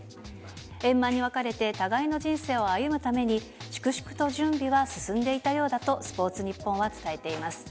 円満に別れて、互いの人生を歩むために粛々と準備は進んでいたようだと、スポーツニッポンは伝えています。